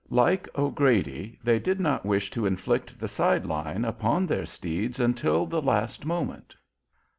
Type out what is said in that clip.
Like O'Grady, they did not wish to inflict the side line upon their steeds until the last moment.